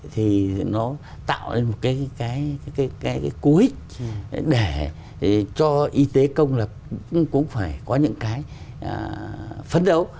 thì nó tạo ra một cái cú ích để cho y tế công lập cũng phải có những cái phấn đấu